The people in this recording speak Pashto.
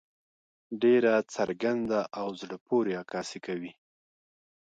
ډېره څرګنده او زړۀ پورې عکاسي کوي.